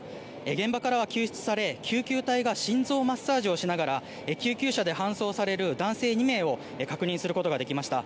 現場からは救出され救急隊が心臓マッサージをしながら救急車で搬送される男性２名を確認することができました。